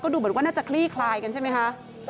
ดูเหมือนว่าน่าจะคลี่คลายกันใช่ไหมคะ